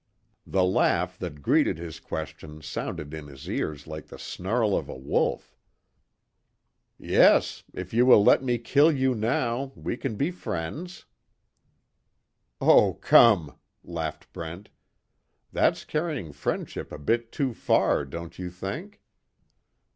The laugh that greeted his question sounded in his ears like the snarl of a wolf: "Yes, if you will let me kill you now we can be friends." "Oh, come," laughed Brent, "That's carrying friendship a bit too far, don't you think?"